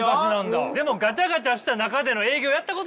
でもガチャガチャした中での営業やったことないでしょ？